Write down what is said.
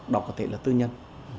đó có thể là tư nhân